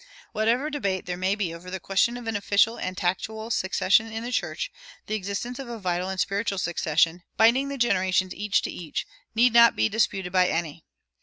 Whatever debate there may be over the question of an official and tactual succession in the church, the existence of a vital and spiritual succession, binding "the generations each to each," need not be disputed by any.